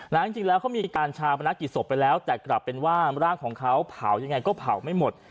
จริงแล้วเขามีการชาวประนักกิจศพไปแล้วแต่กลับเป็นว่าร่างของเขาเผายังไงก็เผาไม่หมด